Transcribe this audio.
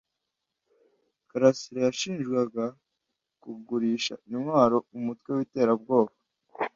Karasirayashinjwaga kugurisha intwaro umutwe w’iterabwoba.